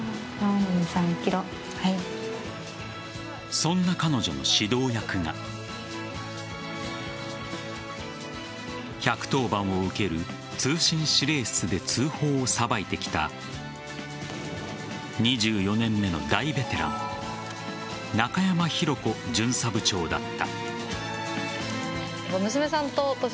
そんな彼女の指導役が１１０番を受ける通信指令室で通報をさばいてきた２４年目の大ベテラン中山紘子巡査部長だった。